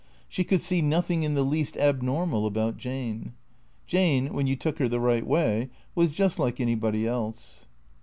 She could see nothing in the least abnormal about Jane. Jane, when you took her the right way, was just like anybody else.